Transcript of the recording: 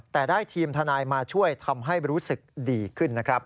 แต่ได้ทีมทนายมาช่วยทำให้รู้สึกดีขึ้นนะครับ